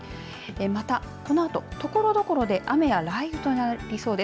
また、このあと、ところどころで雨や雷雨となりそうです。